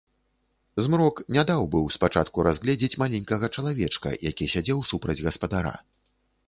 Змрок не даў быў спачатку разгледзець маленькага чалавечка, які сядзеў супраць гаспадара.